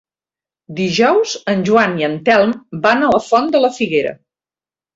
Dijous en Joan i en Telm van a la Font de la Figuera.